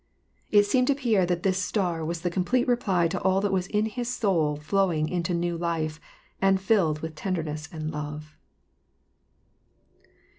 It seemed to Pierre that this star was the complete reply to all that was in his soul flowing into new life, and filled with ten derness and love.